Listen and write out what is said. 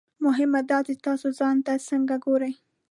مهمه دا ده چې تاسو ځان ته څنګه ګورئ.